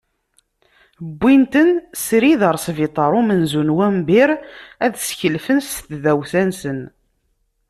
Uwin-ten srid ɣer sbiṭar n umenzu n wunbir ad skelfen s tdawsa-nsen.